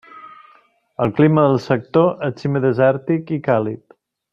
El clima del sector és semidesèrtic i càlid.